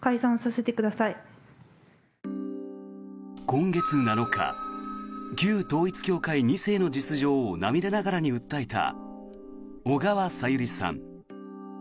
今月７日旧統一教会２世の実情を涙ながらに訴えた小川さゆりさん。